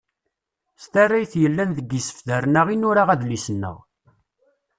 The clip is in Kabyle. S tarrayt yellan deg isebtaren-a i nura adlis-nneɣ.